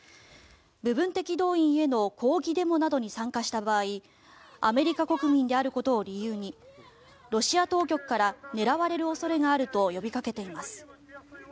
部分的動員への抗議デモなどに参加した場合アメリカ国民であることを理由にロシア当局から狙われる恐れがあると呼びかけています。